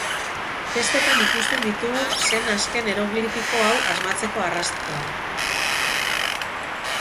Festetan ikusten ditugu zen azken eroglifiko hau asmatzeko arrastoa.